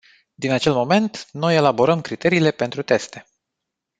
Din acel moment, noi elaborăm criteriile pentru teste.